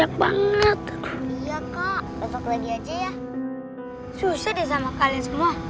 aku digigitin nyamuk nih kak